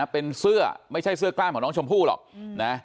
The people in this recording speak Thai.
เป็นเสื้อไม่ใช่เสื้อกล้ามของน้องชมพู่หรอกนะ